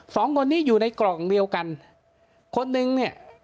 สองคนนี้อยู่ในกล่องเดียวกันคนหนึ่งเนี่ย